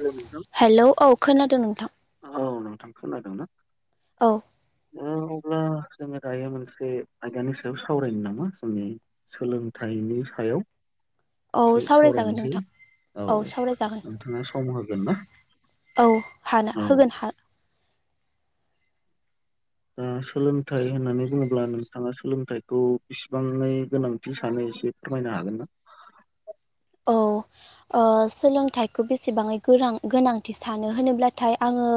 Hello नोंथां hello औ खोनादों नोंथां। औ नोंथां खोनादों ना? औ। ब्ला जोङो दायो मोनसे आयदानि सायाव सावरायनो नामा जोंनि सोलोंथाइनि सायाव। सायाव। औ एसे सावरायजागोन सावरायनोसै नोंथां औ नोंथाङा सम होगोन ना? औ हान औ होगोन हा ओम। सोलोंथाइ होननानै बुङोब्ला नोंथाङा सोलोंथाइखौ बिसिबांङै गोनांथि सानो एसे फोरमाय। [unintelligible] औ। ओ सोलोंथाइखौ बेसेबांङै गोनां गोनांथि सानो होनोब्लाथाय आङो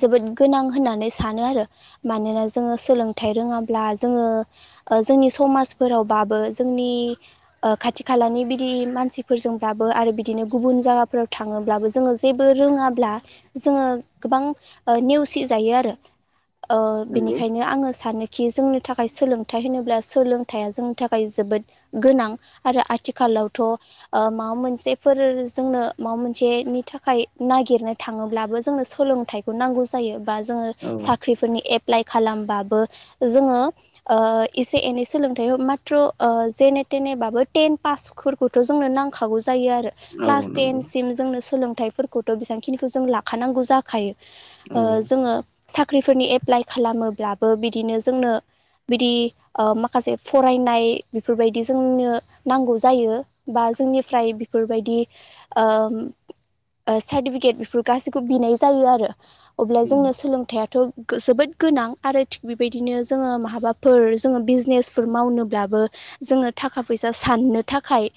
जोबोद गोनां होननानै सानो आरो मानोना जोङो सोलोंथाइ रोङाब्ला जोङो ओ जोंनि समाजफोरावबाबो जोंनि ओ खाथि खालानि बिदि मानसि फोरजोंबाबो आरो बिदिनो गुबुन जागाफोराव थाङोब्लाबो जोङो जेबो रोङाब्ला जोङो। गोबां ओ नेवसि जायो आरो ओ नंगौ बेनिखायनो आङो सानो खि जोंनि थाखाय सोलोंथाइ होनोब्ला सोलोंथाइया जोंनि थाखाय जोबोद गोनां आरो आथिखाल लावथ'। ओ माबा मोनसेफोर जोंनो माबा मोनसेनि थाखाय नागिरनो थाङोब्लाबो जोंङो सोलों सोलोंथाइखौ नांगौ जायो बा जोङो औ साख्रिफोरनि एप्लाइ खालामबाबो जोङो ओ एसे एनै सोलोंथाइ माथ्र' ओ जेने थेनेबाबो टेन पासफोरखौथ' जोंङो जोंनो नांखागौ जायो‌ आरो औ क्लास नंगौ टेनसिम जोंनो सोलोंथाइफोरखौथ' बेसेबांखिनिखौ जों लाखानांगौ जाखायो ओ औ जोङो साख्रिफोरनि एपला लाइ खालामोब्लाबो बिदिनो जोंनो बिदि ओ माखासे फरायनाय बिफोरबायदि जोंनो नांगौ जायो। बा जोंनिफ्राय बिफोरबायदि ओ ओ सार्टिफिकेट बेफोर गाैखौबो बिनाय जायो आरो अब्ला उम जोंनो सोलोंथाइयाथ' गो जोबोद गोनां आरो थिग बिबायदिनो जोङो माबाफोर जोङो बिजनेसफोर मावनोब्लाबो जोङो थाखा फैसा साननो थाखाय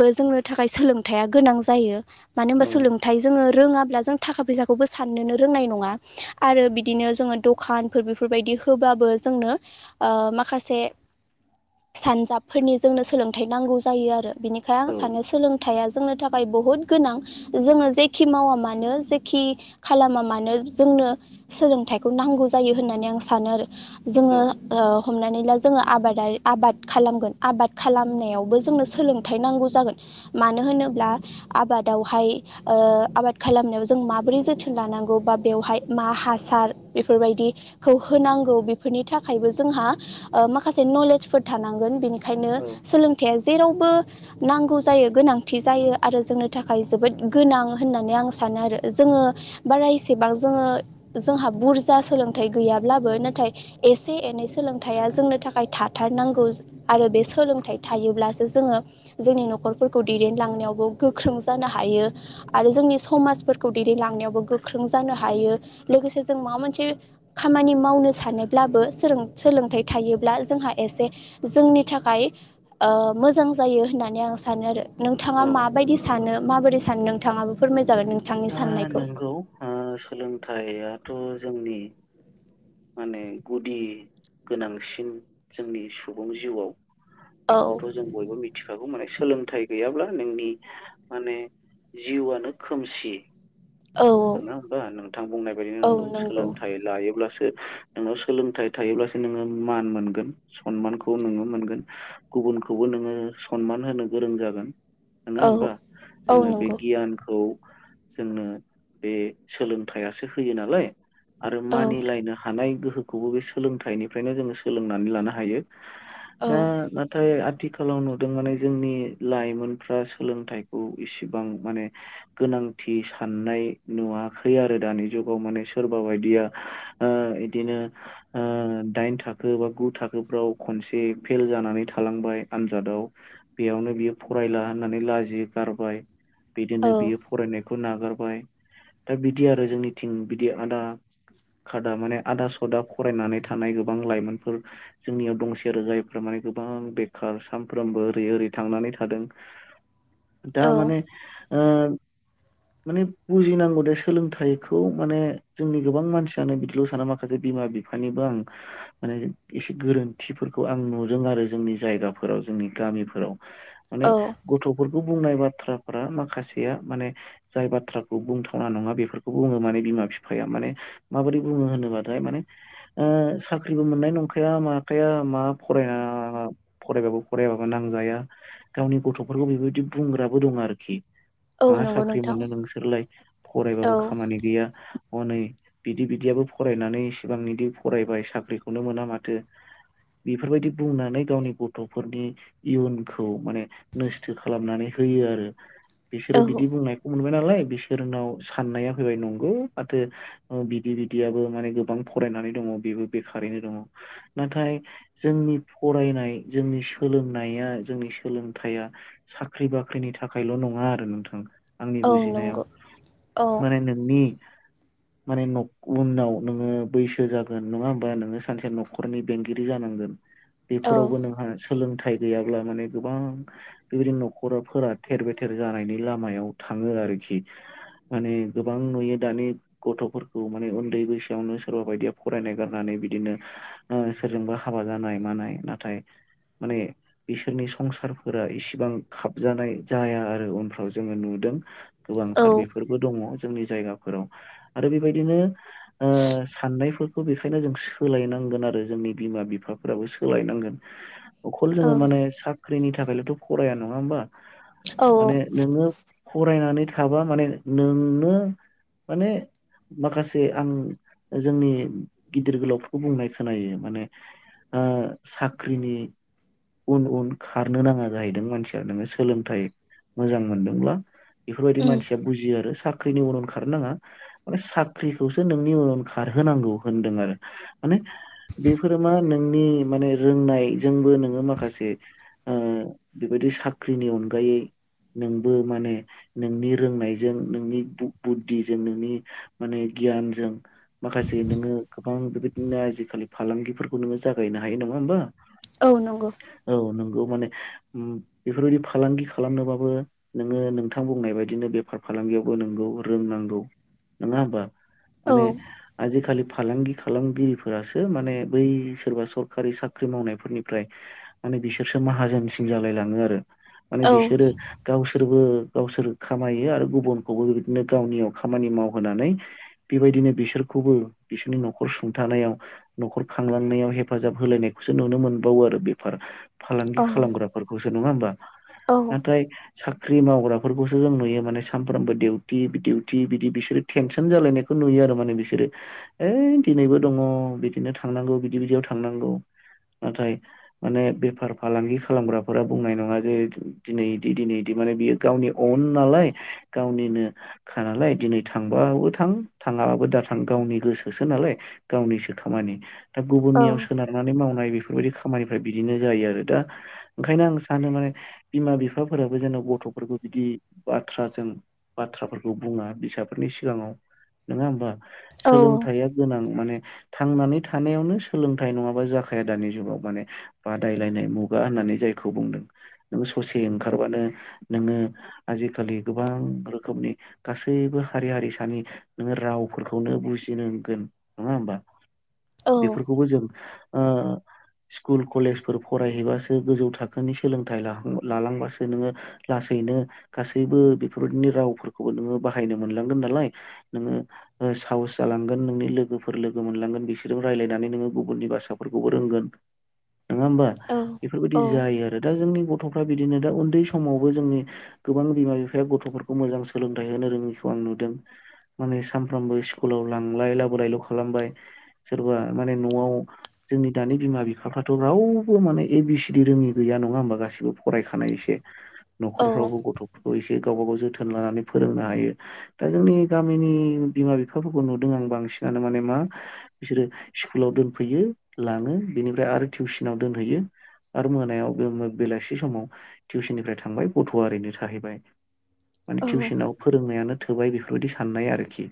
बो जोंनो थाखाय सोलोंथाइया गोनां जायो मानो होनबा औ सोलोंथाइ जोङो रोङाब्ला ब्ला जों थाखा फैसाखौबो साननोनो रोंनाय नङा आरो बिदिनो जोङो दखानफोर बिफोरबादि होबा बो जोंनो ओ माखासे सानजाबफोरनि जोंनो सोलोंथाइ नांगौ जायो आरो बिनिखायनो औ आं सानो सोलोंथाइया जोंनो थाखाय बहुत गोनां जोङो जेखि मावा मानो जेखि खालामा मानो जों नो सोलोंथाइखौ नांगौ जायो होननानै आं सानो आरो औ जोङो ओ हमनानै ला जोङो आबादारि आबाद खालामगोन आबाद खालामनायावबो जोंनो सोलों थाय नांगौ जागोन मानो होनोब्ला आबादावहाय ओ आबाद खालामनायाव जों मा बोरै जोथोन लानांगौ बा बेवहाय मा हासार बेफोरबायदिखौ होनांगौ बेफोरनि थाखाय थाखायबो जोंहा ओ माखासे नलेजफोर थानांगोन बेनिखायनो औ सोलोंथाइया जेरावबो नांगौ जायो, गोनांथि जायो आरो जोंनो थाखाय जोबोद गोनां होननानै आं सानो आरो जों ङो बारा एसेबां जोङो जोंहा बुरजा सोलोंथाइ गैयाब्लाबो नाथाय एस से-एनै सोलोंथाइया जोंनो थाखाय थाथारनांगौ आरो बे सोलोंथाइ थायोब्लासो जोङो जोंनि न'खरफोरखौ दैदेनलांनायावबो गोख्रों जानो हायो आरो जोंनि समाजफोरखौ दैदेन लांनायावबो गोख्रों जानो हायो लोगोसे जों माबा मोनसे खामानि मावनो सानोब्लाबो सोलोंथाइ थायोब्ला जोंहा एसे जोंनि थाखाय ओ मोजां जा जायो होननानै आं सानो आरो नोंथाङा औ ओ माबायदि सानो माबोरै सानो नोंथाङाबो फोरमाय ओ नंगौ सोलोंथाइयाथ' जोंनि माने गुदि गोनांसिन जोंनि सुबुं जिउआव औ बेखौथ' जों बयबो मिथिखागौ माने सोलोंथाइ गैयाब्ला नोंनि माने जिउआनो खोमसि। औ नोङा होमबा नोंथां बुंनाय बायदिनो औ नोंगौ नंगौ सोलोंथाइ लायोब्लासो ओ नोङो सोलोंथाइ थायोब्लासो नोङो मान मोनगोन सनमानखौ नोङो मोनगोन। गु गुबुनखौबो नोङो सनमान होनो गोरों जागोन। नोङा औ होमबा? औ जोङो बे नंगौ गियानखौ जोंनो बे सोलोंथाइ आसो होयो नालाय आरो औ मानिलायनो हानाय गोहो खौबो बे सोलोंथाइनिफ्रायनो जोङो सोलोंनानै लानो हायो। औ दा नाथाय आथ थिखालाव नुदों माने जोंनि लाइमोनफ्रा सोलोंथाइखौ इसिबां माने गोनां थि साननाय नुवाखै आरो दानि जुगाव। माने सोरबा बायदिया ओ इदिनो ओ दाइन थाखो बा गु थाखोफ्राव खनसे फेल जानानै थालांबाय आनजादाव बेयाव नो बियो फरायला होननानै लाजि गारबाय औ बिदिनो बियो फरायनायखौ नागारबाय। दा बिदि आरो जोंनिथिं बिदि आदा खादा माने आदा सदा फरायनानै थानाय गोबां लाइमोनफोर जोंनियाव दंसै आरो जायफ्रा माने गोबां बेखार सामफ्रामबो ओरै ओरै थांनानै थादों औ दा माने ओ माने बुजिनांगौ दे सोलोंथाइखौ माने जोंनि गोबां मानसियानो बिदिल' साना माखासे बिमा बिफानिबा आं माने एसे गोरोन्थिफोरखौ आं नुदों आरो जोंनि जायगाफोराव जोंनि गामिफोराव। माने औ गथ'फोरखौ बुंनाय बाथ्राफोरा माखासेया माने जाय बाथ्रा खौ बुंथावना नङा बेफोरखौ बुङो माने बिमा-फिफाया माने माबोरै बुङो होनोबाथाय माने ओ ओ साख्रिबो मोननाय नंखाया माखाया मा फरायना फरायबाबो फरायबाबो नांजाया गावनि गथ'फोरखौ बेबायदि बुंग्राबो दं आरोखि। औ मा नंगौ साख्रि नोंथां मोनो नोंसोरलाय? फरायबाबो औ खामानि गैया। हनै बिदि बिदियाबो फरायनानै इसिबां बिदि फरायबाय साख्रिखौनो मोना माथो। बिफोरबायदि बुंनानै गावनि गथ'फोरनि इयुनखौ माने नोस्थो खालामनानै हो होयो आरो। बिसोरो औ बिदि बुंनायखौ मोनबाय नालाय बिस फोरनाव साननाया फैबाय नंगौ माथो ओ बिदि बिदियाबो माने गोबां फरायनानै दङ। बि बेबो बेखारैनो दङ नाथाय जोंनि फरायनाय जोंनि सोलोंनाया जोंनि सोलोंथाया साख्रि बाख्रिनि थाखायल' नङा आरो नोंथां। आंनि औ बुजिनायाव नंगौ औ माने नोंनि माने न उनाव नोङो बैसो जागोन। नङा होमबा? नोङो सानसे न'खरनि बेंगिरि जानां गोन औ बेफोरावबो नोंहा सोलों थाइ गैयाब्ला माने गोबां बेबायदि नखराफोरा थेर बेथेर जानायनि लामायाव थाङो आरोखि। [inaudible] माने गोबां नुयो दानि गथ'फोरखौ माने उन्दै बैसोआवनो सोरबा बायदिया फरायनाय गारनानै बिदिनो ओं सोरजोंबा हाबा जानाय मानाय नाथाय माने बिसोरनि संसारफोरा इसिबां खाबजानाय जाया आरो उनफ्राव जोङो नुदों। औ गोबांथार बेफोरबो दङ। जोंनि जायगाफोराव आरो बेबायदिनो ओ साननायफोरखौ बेखायनो जों सोलायनां गोन आरो जोंनि बिमा बिफाफोराबो सोलायनांगोन। अखल औ जोङो माने साख्रिनि थाखायल'थ' फराया नङा होमबा औ माने नोङो फरायनानै थाबा माने नोंनो माने माखासे आं जोंनि गिदिर गोलावफोरखौ बुंनाय खोनायो माने ओ साख्रिनि उन उन खारनो नाङा जाहैदों मानसिया नोङो सोलोंथाइ मोजां मोनदोंब्ला। बेफोरबायदि उम मानसिया बुजियो आरो सा ख्रिनि उनाव खारनो नाङा माने साख्रिखौसो नोंनि उन उन खारहोनांगौ होनदों आरो। माने बेफोर मा नोंनि माने रोंनायजोंबो नोङो माखासे उम बेबायदि साख्रिनि अनगायै नोंबो माने नोंनि रोंनायजों नोंनि बु-बुद्धिजों नोंनि माने गियानजों माखास जे नोङो गोबां बेबायदिनो आजिखालि फालांगिफोरखौ नोङो जागायनो हायो। नङा होमबा? औ नंगौ। [unintelligible] बेफोरबादि फालांगि‌ खालामनोबाबो नोङो नोंथां बुंनाय बदिनो बेफार फालांगियावबो नोंगौ रोंनांगौ नङा होमबा? औ माने आजि खालि फालांगि खालामगिरिफोरासो माने बै सोरबा सरकारि साख्रि मावनायफोरनिफ्राय माने बिसोरसो माहाजोनसिन जालाय लाङो आरो माने औ बिसोरो गावसोरबो गावसोर खामायो आरो गुबुनखौबो बेबायदिनो गावनियाव खामानि मावहोनानै बेबायदिनो बिसोर खौबो बिसोरनि नखर सुंथानायाव नखर खांलांनायाव हेफाजाब होलायनायखौसो नुनो मोनबावो आरो। बेफार फालांगि औ खालामग्राफोरखौसो नङा होमबा नाथाय साख्रि मावग्रा फोरखौसो जों नुयो माने सानफ्रामबो दिडिउटि दिडिउटि बिदि बिसोरो टेनसन जालायनायखौ नुयो आरो माने बिसोरो ओइ दिनैबो दङ बिदिनो थांनांगौ बिदि बिदियाव थांनांगौ। नाथाय माने बेफार फालांगि खालामग्राफोरा बुंनाय नङा जे दिनै इदि दिनै इदि माने बियो गावनि अन नालाय गावनिनोखा नालाय दिनै थांबो थां थाङाबाबो दा थां गावनि गोसोसो नालाय गावनिसो खामानि दा गुबुननियाव सोनारनानै मावनाय बेफोरबायदि खामानिफ्रा बिदिनो जायो आरो दा ओंखायनो आं सानो माने बिमा बिफाफोराबो जेनन' गथ' फोरफोरखौ बिदि बाथ्राजों बाथ्राफोरखौ बुङा फिसाफोरनि सिगाङाव। नङा होमबा औ सोलोंथाइया गोनां माने थांनानै थानायावनो सोलोंथाइ नङाबा जाखाया दानि जुगाव माने बादायलायनाय मुगा होननानै जायखौ बुंदों नों ससे ओंखारबानो नोङो आजिखालि गोबां रोखोमनि गासैबो हारि हारिसानि नोङो राव फोरखौनो बुजिनांगोन नङा होमबा औ बेफोरखौबो जों ओ स्कुल कलेजफोर फरायहैबासो गोजौ थाखोनि सोलोंथाइ लालांबासो नोङो लासैनो गासैबो बेफोरबायदिनि रावफोरखौबो नोङो बाहायनो मोनलांगोन नालाय नोङो साहस जालांगोन नोंनि लोगोफोर लोगो मोनलांगोन बिसोरजों रायज्लायनानै नोङो गुबुननि भासाफोरखौबो रोंगोन। नङा होमबा औ बेफोरबायदि औ जायो आरो दा जोंनि गथ'फ्रा बिदिनो दा उन्दै समाव बो जोंनि गोबां बिमा बिफाया गथ'फोरखौ मोजां सोलोंथाइ होनो रोङिखौ आं नुदों। माने सानफ्रामबो स्कुलाव लांलाय लाबोलायल' खालामबाय। सोरबा माने न'आव जोंनि दानि बिमा बिफाफ्राथ' रावबो माने ए बि सिडि रोङि गैया। नङा होमबा गासिबो फरायखानाय इसे। औ न'खरफ्रावबो गथ'फोरखौ एसे गावबा गाव जोथोन लानानै फोरोंनो हायो दा जोंनि दा गामिनि बिमा बिफाफोरखौ नुदों आं बांसिनानो माने मा बिसोरो स्कुलाव दोनफैयो लाङो। बेनिफ्राय आरो टिउसनाव दोनहैयो आरो मोनायाव बे बेलासि समाव टिउसननिफ्राय थांबाय गथ'आरैनो थाहैबाय माने औ टिउसनाव फोरोंनायानो थोबाय बेफोरबायदि साननाय आरोखि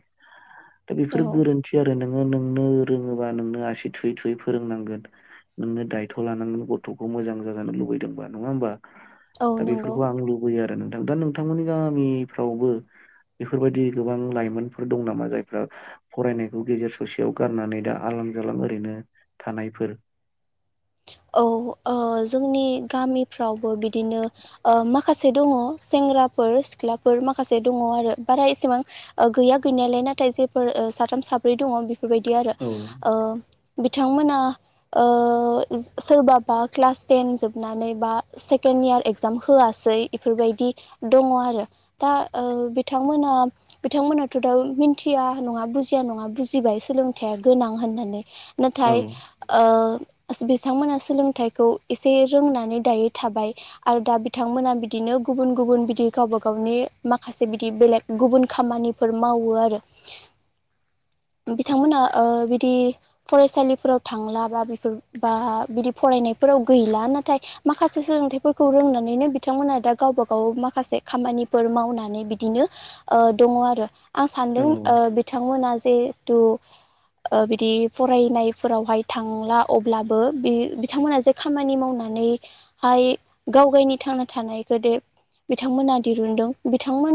दा औ बेफोर गोरोन्थि आरो नों नोङो नोंनो रोङोबा नोंनो आसि थुयै थुयै फोरोंनांगोन। नोंनो दायथ' लानांगोन गथ'खौ मोजां जाजानो लुबैदोंबा नङा होमबा? औ दा नंगौ बेफोरखौ आं लुबैयो आरो नोंथां दा नोंथांमोननि गामिफ्रावबो बेफोरबायदि गोबां लाइमोनफोर दं नामा जायफ्रा फरायनायखौ गेजेर ससेयाव गारनानै दा आल जालां ओरैनो थानायफोर। औ ओ जोंनि गामिफ्रावबो बिदिनो ओ माखासे दङ सेंग सेंग्राफोर सिख्लाफोर माखासे दङ आरो बारा एसेबां ओ गैया गैनायालाय नाथाय जेबो ओ सा साथाम साब्रै दङ बेफोरबायदि आरो औ ओ बिथांमोना ओ। सोरबाबा क्लास टेन जोबनानै बा सेकेणड इयार एगजाम होआसै इफोरबायदि दङ आरो दा ओ बिथांमोना बिथांमोनाथ' दा मिन्थिया नङा बुजिया। नङा बुजिबाय सोलोंथाया गोनां होननानै औ नाथाय ओ ओज बिस बिथांमोना सोलोंथाइखौ इसे रोंनानै दायो थाबाय आरो दा बिथांमोना बिदिनो गुबुन गुब गुबुन बिदि गावबा गावनि माखासे बिदि बेलेग गुबुन खामानिफोर मावो आरो। [inaudible] बिथांमोना ओ बिदि फरायसालिफोराव थांला बा बिफोर बा बिदि फरायनायफोराव गैला नाथाय माखासे सोलोंथाइफोरखौ रोंनानैनो बि बिथांमोना दा गावबा गाव माखासे खामानिफोर मावनानै बिदिनो ओ दङ आरो आं सान औ दों ओ बिथांमोना जेतु। ओ बिदि फरायनायफोरावहाय थांला अ ब्लाबो इ बिथांमोनहा जे खामानि मावनानैहाय गाव गायनि थांना थानायखोदे। बिथांमोना दिरुनदों बिथांमोन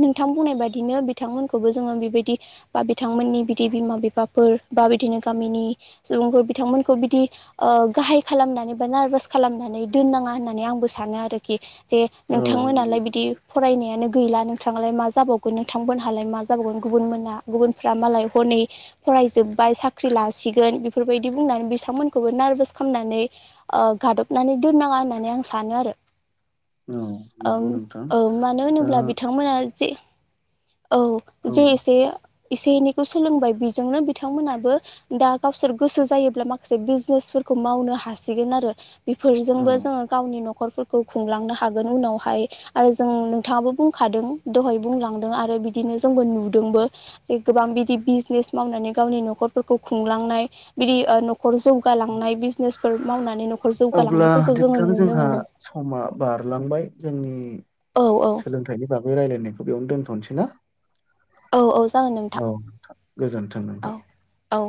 नोंथां बुंनाय बादिनो बिथांमोनखौबो जोङो बेबायदि। बा बिथांमोननि बिदि बिमा बिफाफोर बा बिदिनो गामिनि सुबुंफोर बिथांमोन खौ बिदि ओ गाहाय खालामनानै बा नारभास खालामनानै दोननाङा होननानै आंबो सानो आरोखि। जे औ नोंथांमोनालाय नंगौ बिदि फरायनायानो गैलानो। थांनालाय मा जाबावगोन नोंथां बोनहालाय मा जाबावगोन गुबुन मोना गुबुनफोरा मालाय हनै फरायजोब बाय साख्रि लासिगोन बेफोरबायदि बुंनानै बि थांमोनखौबो नारभास खालामनानै ओ गादबनानै दोननाङा होननानै आं सानो आरो। औ ओं नंगौ नोंथां ओं मानो दा होनोब्ला बिथांमोना जे। औ औ जे एसे। एसे एनैखौ सोलोंबाय बिजोंनो बिथांमोनाबो दा गावसोर गोसो जायोब्ला माखा से बिजनेसफोरखौ मावनो हासिगोन आरो औ बेफोरजोंबो जोङो गावनि न'ख रफोरखौ खुंलांनो हागोन उनावहाय आरो जों नोंथाङाबो बुंखादों दहाय बुंलांदों आरो बिदिनो जोंबो नुदोंबो जे गोबां बिदि बिजनेस मावनानै गावनि न'खरफोरखौ खुंलांनाय। बिदि ओ न' खर जौगालांनाय बिजनेसफोर मावनानै न'खर अब्ला जौगालांनायफोरखौ जोङो नुनो मोनदों। लांबाय जोंनि औ औ सोलोंथाइनि बागै रायलायनायखौ बेयावनो दोनथ'सै ना? औ औ जागोन औ नोंथां गोजोनथों नोंथां। औ औ